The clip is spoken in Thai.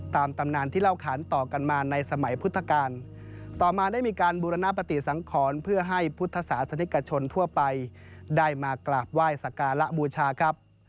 ตามตำนานที่เล่าขานต่อกันมาในสมัยพุทธกาลต่อมาได้มีการบูรณปฏิสังขรเพื่อให้พุทธศาสนิกชนทั่วไปได้มากราบไหว้สการะบูชาครับ